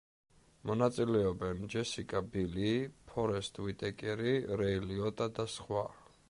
მონაწილეობენ: ჯესიკა ბილი, ფორესტ უიტეკერი, რეი ლიოტა და სხვა.